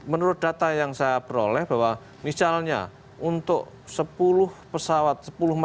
menurut data yang saya peroleh bahwa misalnya untuk sepuluh pesawat